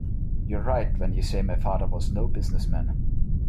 You're right when you say my father was no business man.